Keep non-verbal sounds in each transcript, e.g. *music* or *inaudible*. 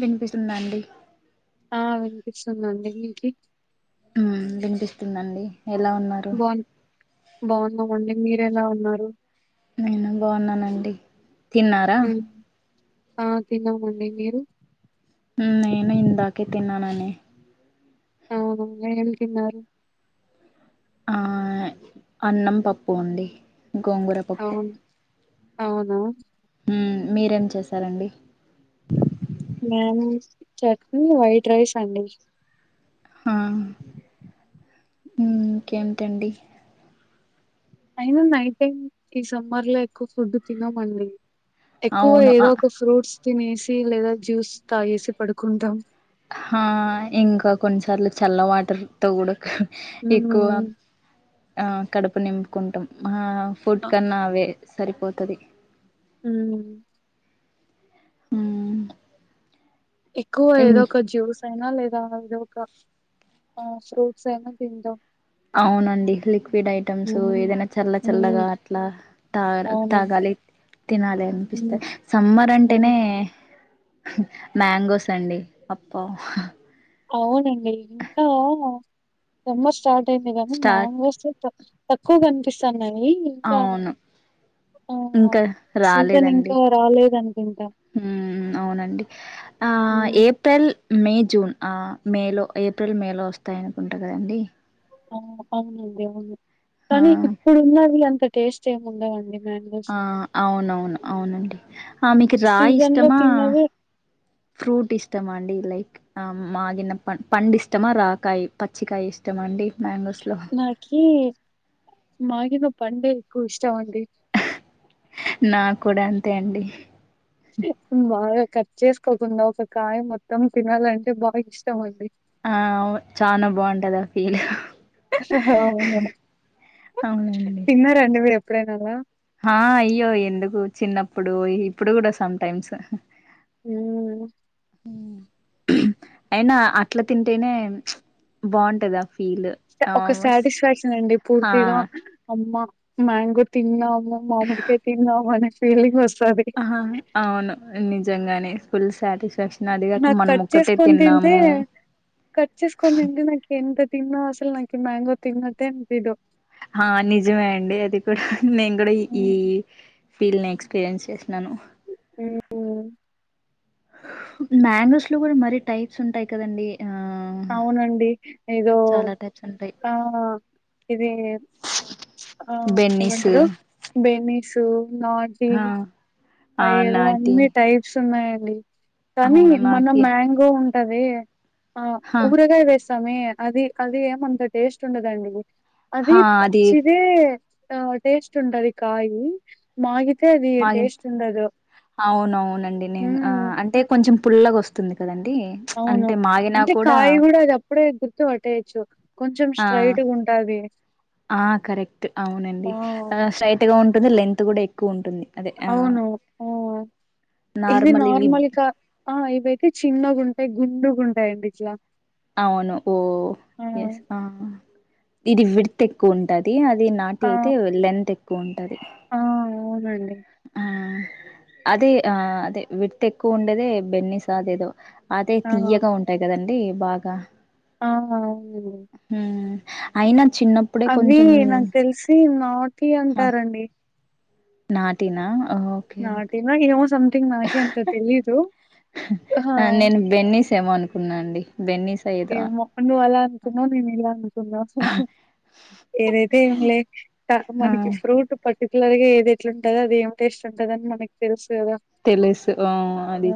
విన్పిస్తుందాండి ఆ వినిపిస్తుందండి మీకి మ్మ్ వినిపిస్తుందండి ఎలా ఉన్నారు. బాన్ బాగున్నామండి మీరెలా ఉన్నారు. నేను బాగున్నానండి తిన్నారా? హ్మ్ ఆ తిన్నామండి మీరు నేను ఇందాకే తిన్నా నన్ననే అవునా ఏం తిన్నారు? ఆ అన్నం పప్పు అండి గోంగూర పప్పు అవును అవునా ఉమ్ మీరేం చేశారండి.? మేము చట్నీ వైట్ రైస్ అండి హ ఇంకేంటండి అయినా నైట్ టైం కీ సమ్మర్ లో ఎక్కువ ఫుడ్ తినమండి. ఎక్కువ అవును ఆ ఏదో ఒక ఫ్రూట్స్ తినేసి లేదా జ్యూస్ తాగేసి పడుకుంటాం. ఆ ఇంకా కొన్నిసార్లు చల్ల వాటర్ తో కూడా క ఎక్కువ హ్మ్ ఆ కడుపు నింపుకుంటాం మా ఫుడ్ అ కన్నా అవే సరిపోతది ఉమ్ ఉం ఎక్కువ ఏదో ఒక జ్యూస్ అయినా లేద ఇద ఒక ఫ్రూట్స్ అయినా తింద అవునండి లిక్విడ్ ఐటెమ్స్ హ్మ్ ఏదైనా చల్ల హ్మ్ చల్లగా అట్లా తా అవునండి. తాగాలి తినాలి హ్మ్ అనిపిస్త సమ్మర్ హ్మ్. అంటేనే మాంగోస్ అండి అప్ప అవునండి ఇంకా సమ్మర్ స్టార్ట్ అంట్టేమి కానీ స్టార్ట్ మ్యాంగోస్ తక్కువ కనిపిస్తాన్నాయి. ఇంకా అవును ఆ ఇంకా సీజన్ రాలేదండి ఇంకా రాలేదనుకుంటా ఉమ్ అవునండి ఆ హ్మ్. ఏప్రిల్ మే జూన్ ఆ మేలో ఏప్రిల్ మేలో వస్తాయి. అనుకుంటా కదండి ఆ అవునండి అవును ఆ కానీ ఇప్పుడున్నది అంత టేస్ట్ ఏం ఉండదండి. ఆ అవునవును అవునండి. ఆ మీకు సీజన్‌లో రాయిష్టమా తిన్నవే ఫ్రూట్ ఇష్టమన్డిలై ఆ మాగిన పం పండిష్టమా రాకాయ పచ్చికయ ఇష్టమా అండి. మ్యాంగోస్లో నాకీ మాగిన పండే ఏక్కువిష్ ష్టమండి నాకు కూడా అంతే అండి బాగా కట్ చేస్కోకుండా ఒక కాయ మొత్తం తినాలంటే బాగా ఇష్టం అండి. ఆ అవ్ చానా బావుంటదా ఫీల్ అవునా తిన్నార అండి మీరు ఎప్పుడైనాలా హా అయ్యో ఎందుకు చిన్నప్పుడు ఇప్పుడు కూడా సంటైమ్స్ మ్మ్ అయినా అట్ల తింటేనే బావున్టదా ఒక సాటిస్ఫాక్షన్ అండి ఆ పూర్తిగా అమ్మ మ్యాంగో తిన్నా మామిడి కాయ తిన్నామనే ఫీలింగ్ ఒస్తుం అహహ అవును నిజంగానే ఫుల్ సాటిస్ఫాక్షన్ నా అదిగాక మనం కట్ ఒక్కటే చేస్కొంతింటే తిన్నాము కట్ చేస్కొంతింటే నాకేం పె తిన్నా అసలు నాకి మ్యాంగో తిన్నట్టే అన్పియదు హా నిజమే అండి అది కూడా నేను కూడా ఈ ఈ మ్మ్ ఫీల్నీ ఎక్స్పీరియన్స్ చేస్నాను. ఊ మ్యాంగోస్ లో కూడా మరి టైప్స్ ఉంటాయి కదండీ. అవునండి ఏదో చాలా టైప్స్ ఉంటాయి ఆ ఇదీ ఆ బెన్నీస్ ఏమంటరూ బెమిసూ నాజీ ఆ ఆ అయేదో నాటి అన్నీ టైప్స్ ఉన్నాయండీ కానీ అవును మన నాకి మ్యాంగో ఉంటది హ ఊరగాయ వే స్తమే అది అది ఏమంత టేస్ట్ ఉండదండి అది పచ్చిదే ఆ టేస్ట్ ఉంటది కాయీ మాగితే అది టేస్ట్ ఉండదు అవున అవునండి నేన్ ఆ మ్మ్ అంటే కొంచెం పుల్లగొస్తుంది కదండి అవును అంటే మాగినా అంటే కూడా కాయ గూడ అది అప్పుడే గుర్తు పట్టేయొచ్చు కొంచెం ఆ స్ట్రైట్గుంటా *unintelligible* ఆ కరెక్ట్ అవునండి ఆ స్ట్రైట్ గా ఉంటుంది లేంత్ గూడా ఎక్కువున్టుంది. అవును ఆ ఇది నార్మల్ ఇవి నార్మల్గా ఆ ఇవయితే చిన్నగుం టై గుండూగున్టాయండి ఇట్లా అవును ఓ ఆ ఎస్ ఆ ఇది విడ్త్ ఎక్కువున్టది అది ఇ నాటి ఆ అయితే లెంత్ ఎక్కువున్టది. ఆ అవునండి. ఆ అదే ఆ అదె విడ్త్ ఎక్కువుండేదే బెన్నిసాదేదో అదే ఆ తియ్యగా ఉంటాయి కదండీ బాగా ఆహా హ్మ్మ్ అయిన అవ్వీ నాకు తెలిసి నార్టి అంటారండి. నాటిినా నాటినో యేమో సంథింగ్ నాకే అంత తెలీదు హ ఆ! నేను *unintelligible* అనుకున్నా అండి బెన్నీస్ ఏదో ఏమో నువ్వు అలా అనుకున్నావ్ నేను ఇలా అను కున్న హా హా ఏదైతే ఏం లే ట ఆ మనకి ఫ్రూట్ ప ఇట్లగే ఏది ఎట్లుంటదో అదేం టేస్ట్ ఉంటదని మనకి తెలుసు కదా! తెలుసు ఆ ఆ! అది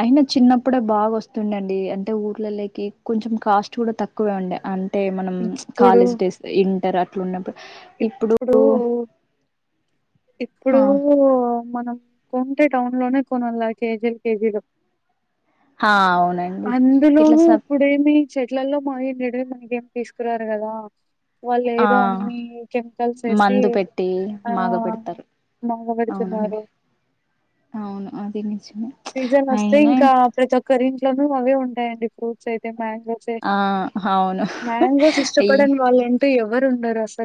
అయిన చిన్నప్పుడే బాగొస్తుండేన్డీ అంటే ఊర్లలోకి కొంచెం కాస్ట్ కూడా తక్కువే ఉండే అ టే మనం ఇప్పుడు కాలేజ్ డేస్ ఇంటర్ అట్లున్నప్పు ఇప్పుడు ఇప్పుడు హా మనం కొంటే టౌన్ లోనే కొనాళ్ళ కేజీలు కేజీలు హా అవునండి ఇట్లా అందులోనూ స ఇప్పుడేమి చె ట్లల్లో మగిండేటివే మనకేం తీస్కురారు గదా వాళ్ళు ఆ ఏదో అన్ని కెమికల్స్ ఏసి మందు పెట్టి ఆ మాగ పెడతారు మాగ అవునండి వేడుతున్నారు అవును అది నిజమే సీజన్ వస్తే అయినా ఇంక ప్రతోక్క రిం ట్లో ను అవే ఉంటాయండి ఫ్రూట్స్ అయితే మ్యాంగోసే ఆ అవును మ్యాంగోస్ ఇష్టపడని వాళ్లంటూ ఎవరు ఉండరు అస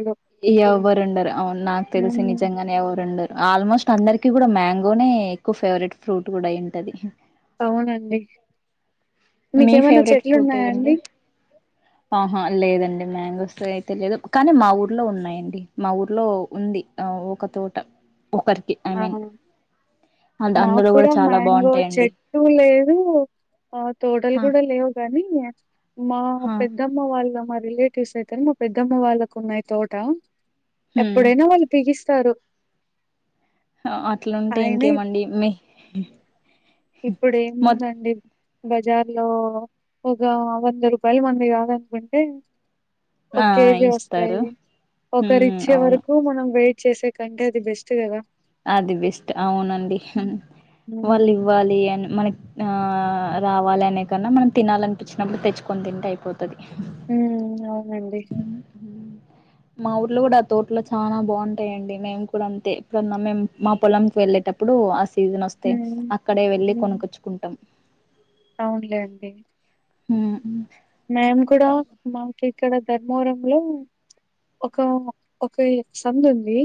ఎవ్వరుండారు అవును నాకు తెలిసి హ్మ్ నిజంగానే ఎవ రుండరు ఆల్మోస్ట్ అందరికి కూడా మ్యాంగోనే ఎక్కువ ఫేవరెట్ ఫ్రూట్ కూడా అయింటది అవునండి మీ మీకేమైనా ఫేవరెట్ చెట్లు ఫ్రూట్ ఉన్నాయా ఏదండి అండి? ఆహా లేదండి మ్యాంగోస్ ఐతే లేదు కానీ మా ఊర్లో ఉన్నాయండి మా ఊర్లో ఉంది ఆ ఒక తోట ఒకరికి ఐ మీన్ అండ్ అందులో కూడా మాక్కూడా చాలా మ్యాంగో బాగుంటాయండి చెట్టు లేదు తోటలు హ కూడా లేవు గాని మా హ పెద్దమ్మ వాళ్ళ మా రిలేటివ్స్ అయితరు మా పెద్దమ్మ వాళ్ళకు ఉన్నాయి తోట హ్మ్ ఎప్పుడైనా వాళ్ళు పికిస్ తారు ఆ అట్లుంటే ఇంకేమండి మీ ఇప్పుడు మొత్ ఏముందండి బజార్ లో ఒక వంద రూపాయలు మంది కాదనుకుంటే ఆ ఒక కేజీ ఇస్తారు వస్తాయి ఒకరు హ్మ్ ఇచ్చే అవును వరకు మనం వెయిట్ చేసే కంటే అది బెస్ట్ కదా అది బెస్ట్ అవునండి హుమ్ హ్మ్ వాళ్ళు హ్మ్ ఇవ్వాలి అని మనకి ఆ రావాలి అనే కన్నా మనం తినాలనిపిచ్చినప్పుడు తెచ్చుకొని తింటే అయిపోతది హ్మ్ అవునండి మా ఊర్లో కూడా తోటలో చానా బాగుంటాయండి మేము కూడా అంతే ఎప్పుడన్న మేం మా పొలంకి వెళ్ళేట ప్పుడు ఆ సీజన్ అస్తే హ్మ్ అక్కడే వెళ్లి కొనుక్కొచ్చుకుంటాం అవునులే అండి హూ ఉ మేం కూడా మార్కె ఇక్కడ ధర్మవరం లో ఒక ఒక సంద్ ఉంది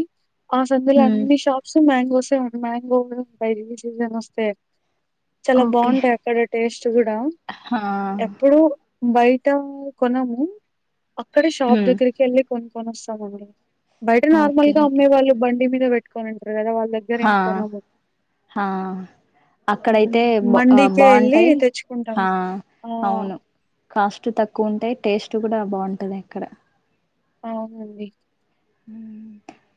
ఆ సందులో హ్మ్ అన్ని షాప్స్ మ్యాంగోసే ఉ మ్యాంగోలు ఉంటాయి ఈ సీజన్ వస్తే చాలా ఓకే బాగుంటాయి అక్కడ టేస్ట్ కూడా హా ఎప్పుడు బయట కొనము అక్కడే షాప్ హ్మ్ దగ్గరికి కేళ్ళి కొనుక్కొనోస్తామండి బయట నార్మల్ ఓకే గా ఓకే అమ్మే వాళ్ళు బండి మీద పెట్టుకని ఉంటారు కదా వాళ్ళ దగ్గర ఏం కొనము హ హ్మ్. అక్కడయితే బ మండికే ఎళ్ళి బాగుంటాయి తెచ్చుకుంటాం. హ ఆ! అవును కాస్ట్ తక్కువ ఉంటాయి టేస్ట్ కూడా బాగుంటది అక్కడ అవునండి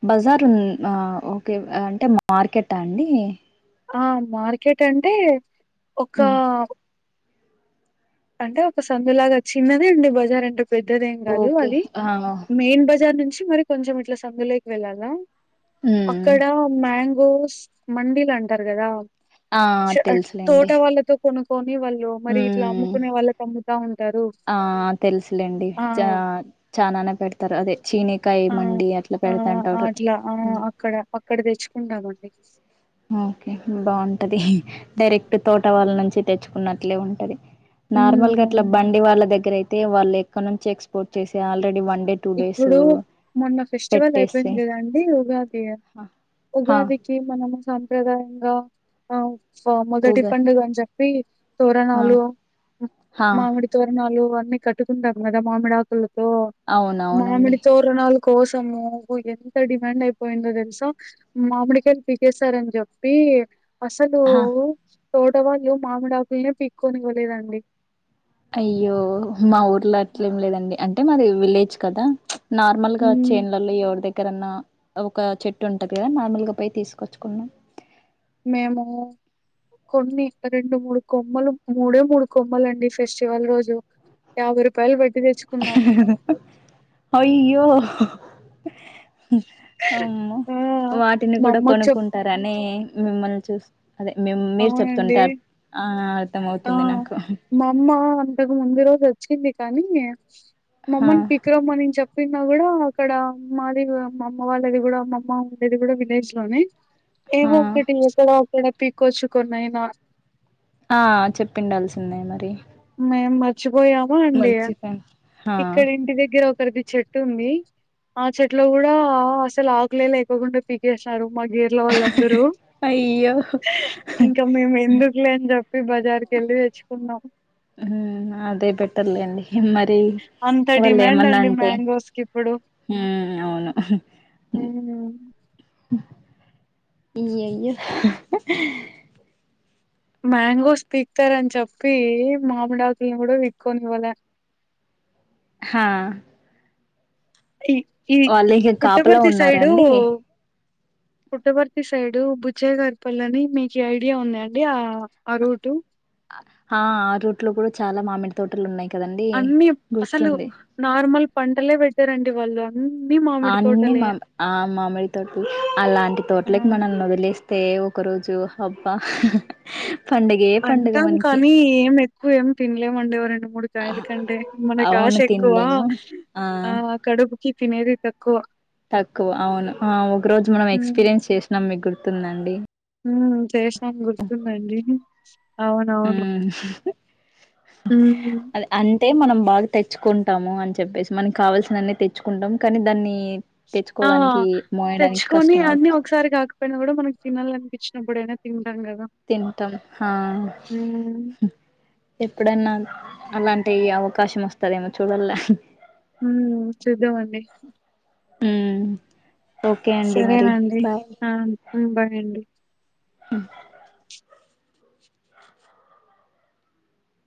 బజార్ ఉ ఆ ఓకే ఆ అంటే మార్కెటా అండి? ఆ మార్కెట్ అంటే ఒక హ్మ్. అంటే ఒక సందులాగా చిన్నదే అండి బజారంటే పెద్దదెం కాదు ఓకే అది ఆ మెయిన్ బజార్ నుంచి మరి కొంచెం ఇట్లా సందులోకి వెళ్ళాలా హ్మ్ అక్కడ మ్యాంగోస్ మండీలు అంటారు కదా ఆ తెలుసులేండి తోట వాళ్ళతో కొనుక్కొని వాళ్ళు మరి ఇట్లా ము హ్మ్ ఆ తెలుసులేండి ఆ చ చనానే పెడతారు అదే చీనికా ఆ ఏమండి అట్లా ఆ పెడతాంటారు అట్లా ఆ ఉ అక్కడ అక్కడ తెచ్చుకుంటామండి. ఓకే బాగుంటది డైరెక్ట్ తోట వాళ్ళ నుంచి తెచ్చుకున్నట్లే ఉంటది హ్మ్ నార్మల్ గా అట్లా అవునండి. బండి వాళ్ళ దగ్గర అయితే వాళ్ళు ఎక్కడ నుంచి ఎక్స్పోర్ట్ చేసి ఆల్రెడీ బండి ఇప్పుడు మొన్న ఫెస్టివల్ అయిపోయింది పెట్టేసి కదండీ ఉగాది హ ఉగాదికి మనం సాంప్రదాయంగా ఆ మొదటి ఊగ పండుగ అని చెప్పి తోరణాలు హ మామిడి తోరణాలు ఇవన్నీ కట్టుకుంటాం కదా మామిడి ఆకులతో అవునవునండి మామిడి తోరణాలు కోసము ఎంత డిమాండ్ అయిపోయిందో తెలుసా మామిడికాయ పీకేస్తారని చెప్పి అసలు హ తోటవాళ్ళు మామిడాకులనే పీక్కొనివ్వలేదండి అయ్యో మా ఊర్లో అట్లే ఏం లేదండి అంటే మాది విలేజ్ కదా నార్మల్ గా హ్మ్. చేన్లల్లో ఎవరి దగ్గర ఎక్కరన్నా ఒక చెట్టు ఉంటంది కదా నార్మల్ గా పోయి తీసుకొచ్చుకున్నాం మేము కొన్ని రెండు మూడు కొమ్మలు మూడే మూడు కొమ్మలు అండి ఫెస్టివల్ రోజు యాభై రూపాయల్ బెట్టి హహా అయ్యో హ్మ్ అమ్ ఆ! వాటిని మా కూడా అమ్మకి చెప్ కొనుక్కుంటారని మిమ్మల్ని చూసి అదే మిమ్ మీరు అవునండి. చెప్తుంటే ఆ ఆ అర్థమవుతుంది నాకు మా అమ్మ అంతకు ముందు రోజు వచ్చి కానీ హా మమ్మని పీక్కారమ్మని చెప్ప పీకిన కూడా అక్కడ మాది మా అమ్మ వాళ్ళది కూడా మా అమ్మ ఉండేది కూడా విలేజ్ లోనే హా ఏవో ఒకటి ఎక్కడొక్కడ పీకొచ్చు కొన్నాయినా ఆ చెప్పిండాల్సిందే మరి మేము మర్చిపోయామా అండి మర్చిపోయాను హా ఇక్కడ ఇంటి దగ్గర ఒకరిది చెట్టు ఉంది ఆ చెట్లో కూడా అసలు ఆకులే లేకోకొండ పీకేసారు మా గేర్ లో గేర్ లో వాళ్ళందరూ అయ్యో ఇంకా మేము ఎందుకులే అని చెప్పి బజార్ కి వెళ్ళి తెచ్చుకున్నాం ఆ అదే బెటర్లేండి మరి అంత వాళ్ళు డిమాండ్ అండి ఏమన్నాంటే మ్యాంగోస్ కి హ్మ్ అవును హ ఈ అయ్యయ్యో హ హ మ్యాంగోస్ పీకుతారని చెప్పి మామిడాకుల్ని కూడా పీక్కొని ఇవ్వాల హా ఈ ఈ వాళ్ళు ఇంక కాపల పుట్టపర్తి సైడు ఉన్నారాండి పుట్టపర్తి సైడు బుజ్జేగర్పల్ని మీకు ఐడియా ఉందండి ఆ ఆ రూటు ఆ ఆ రూట్ లో కూడా చాలా మామిడి తోటలు ఉన్నాయి కదండి అన్ని అసలు గుర్తుంది నార్మల్ పంటలే పెట్టరండి వాళ్ళు అన్ని మామిడి అన్నీ తోటలే మామి ఆ మామిడి తోటి అలాంటి ఆ తోటలకి మనల్ని వదిలేస్త ఏ ఒక రోజు హబ్బ హ అంటాం కానీ ఏం ఎక్కువ ఏమి తినలేమండి ఎవర రెండు మూడు కాయల కంటే మనకు ఆశ అవును ఎక్కువ తినలేము ఆ కడుపు ఛీ తినేది తక్కువ తక్కువ అవును ఆ ఒక రోజు మనం హ్మ్ ఎక్స్పీరియన్స్ చేసినాం మీకు గుర్తుందా అండి హ్మ్ చేషాం గుర్తుందండి అవునవును హ్మ్ అ అంతే మనం బాగా తెచ్చుకోచ్చు తింటాము అని చెప్పేసి మనకి కావాల్సినన్ని తెచ్చుకుంటాం కానీ దాన్ని ఆ తెచ్చుకోవడానికి మోయడానికి తెచ్చుకొని కష్టం అన్ని అవుత ఒకసారి కాకపోయినా కూడా మనకు తినాలని పిచ్చన్న పడ *unintelligible* తింటాం ఆ హ్మ్ ఎప్పుడన్నా అలాంటి ఈ అవకాశం వస్తదేమో చూడాల మ్మ్ చూద్దాం అండి మ్మ్ సరేనండి ఆ ఉ బాయ్ అండి ఉ